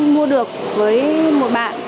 mua được với một bạn